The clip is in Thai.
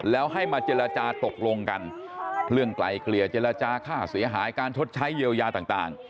แล้วให้มาเจรจาตกลงกันเรื่องไกลเกลี่ยเจรจาค่าเสียหายการชดใช้เยียวยาต่าง